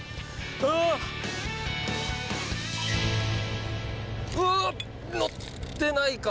あ！うわ！のってないか。